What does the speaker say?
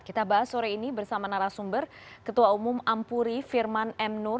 kita bahas sore ini bersama narasumber ketua umum ampuri firman m nur